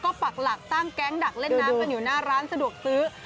ก็ปักหลักตั้งแก๊งดักเล่นน้ำกันอยู่หน้าร้านสะดวกซื้อ